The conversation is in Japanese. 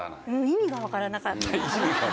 意味がわからなかった。